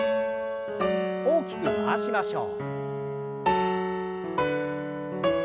大きく回しましょう。